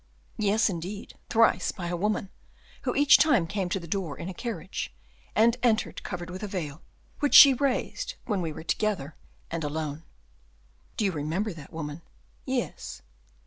"Yes, indeed; thrice by a woman, who each time came to the door in a carriage, and entered covered with a veil, which she raised when we were together and alone." "Do you remember that woman?" "Yes."